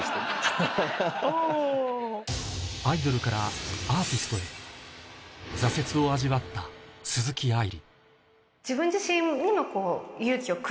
アイドルからアーティストへ挫折を味わった鈴木愛理